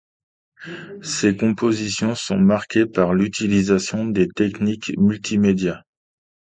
Ses compositions sont marquées par l'utilisation des techniques multimédia.